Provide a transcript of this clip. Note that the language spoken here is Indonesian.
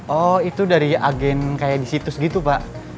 oh itu dari agen kayak di situs gitu pak